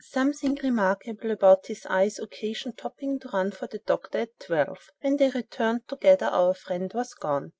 "Something remarkable about his eyes occasioned Topping to run for the doctor at twelve. When they returned together, our friend was gone.